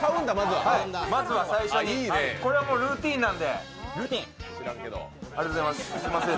まずは最初に、これはルーチンなんで。